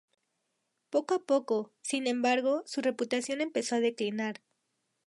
Poco a poco, sin embargo, su reputación empezó a declinar.